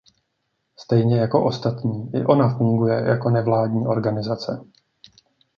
Stejně jako ostatní i ona funguje jako nevládní organizace.